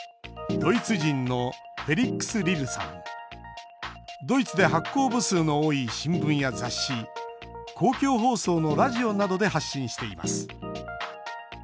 ドイツで発行部数の多い新聞や雑誌、公共放送のラジオなどで発信しています。